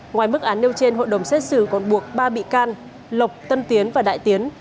ngoài mức án nêu trên hội đồng xét xử còn buộc ba bị can lộc tân tiến và đại tiến